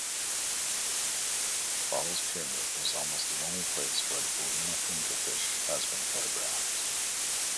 Ball’s Pyramid is almost the only place where the Ballina angelfish has been photographed.